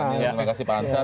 terima kasih pak ansar